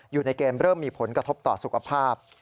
อยู่ในเกมเริ่มมีผลกระทบต่อสุขภาพ